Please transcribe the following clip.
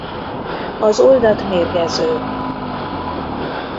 Az oldat mérgező.